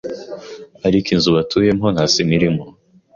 ariko inzu batuyemo nta sima irimo